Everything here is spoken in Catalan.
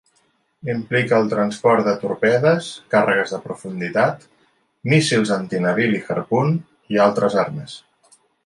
Implica el transport de torpedes, càrregues de profunditat, míssils antinavili Harpoon i altres armes.